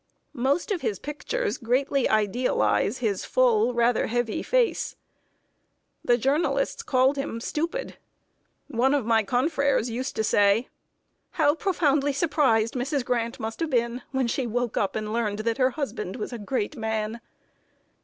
Most of his pictures greatly idealize his full, rather heavy face. The journalists called him stupid. One of my confrères used to say: "How profoundly surprised Mrs. Grant must have been, when she woke up and learned that her husband was a great man!"